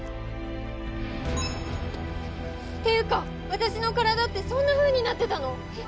っていうかわたしの体ってそんなふうになってたの！？